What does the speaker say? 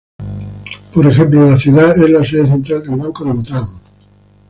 Por ejemplo, la ciudad es la sede central del Banco de Bután.